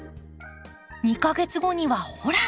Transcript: ２か月後にはほら。